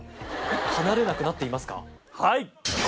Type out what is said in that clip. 離れなくなっていますか？